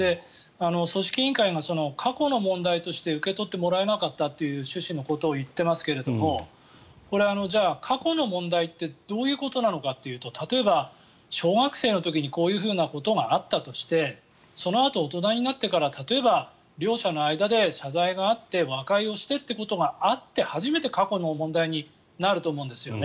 組織委員会が過去の問題として受け取ってもらえなかったという趣旨のことを言ってますけれども過去の問題ってどういうことなのかというと例えば小学生の時にこういうことがあったとしてそのあと大人になってから例えば、両者の間で謝罪があって和解をしてということがあって初めて過去の問題になると思うんですよね。